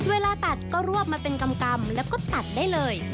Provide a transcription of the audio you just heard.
เวลาตัดก็รวบมาเป็นกำแล้วก็ตัดได้เลย